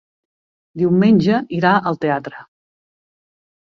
Diumenge irà al teatre.